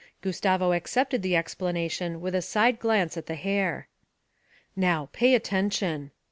Gustavo accepted the explanation with a side glance at the hair. 'Now, pay attention.'